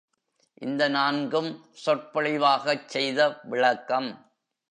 இந்த நான்கும் சொற்பொழிவாகச் செய்த விளக்கம்.